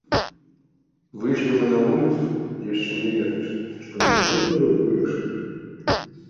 Выйшлі мы на вуліцу, яшчэ не верачы, што наш лёс ужо вырашаны!